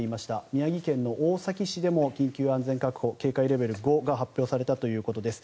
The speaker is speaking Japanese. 宮城県大崎市でも緊急安全確保警戒レベル５が発表されたということです。